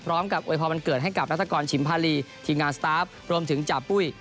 พร้อมกับวัยพอมันเกิดให้กับรัฐกรชิมภารีทีมงานสตาฟรวมถึงจาบปุ้ย